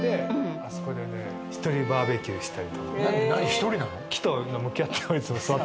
一人なの？